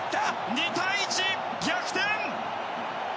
２対１！逆転！